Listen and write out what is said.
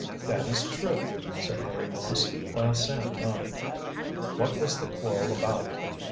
"That is true," said Harry Moss, while Sam nodded. "What was the quarrel about?"